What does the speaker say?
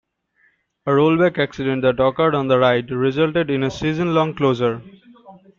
A rollback accident that occurred on the ride resulted in a season-long closure.